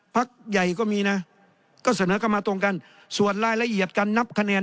พักใหญ่ก็มีนะก็เสนอเข้ามาตรงกันส่วนรายละเอียดการนับคะแนน